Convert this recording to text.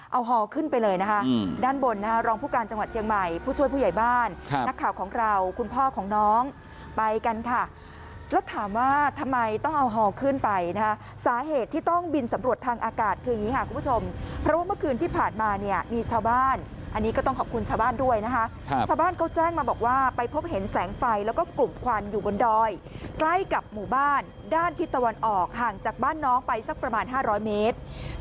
เอาฮอล์ขึ้นไปเลยนะคะด้านบนรองผู้การจังหวัดเจียงใหม่ผู้ช่วยผู้ใหญ่บ้านนักข่าวของเราคุณพ่อของน้องไปกันค่ะแล้วถามว่าทำไมต้องเอาฮอล์ขึ้นไปนะคะสาเหตุที่ต้องบินสำรวจทางอากาศคืออย่างนี้ค่ะคุณผู้ชมเพราะว่าเมื่อคืนที่ผ่านมาเนี่ยมีชาวบ้านอันนี้ก็ต้องขอบคุณชาวบ้านด้วยนะคะชาวบ้านเขาแจ้งมาบ